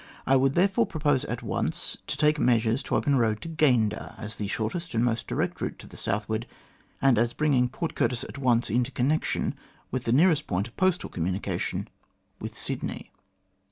I would therefore propose at once to take measures to open a road to Gayndah, as the shortest and most direct route to the southward, and as bringing Port Curtis at once into connection with the nearest point of postal communication with Sydney."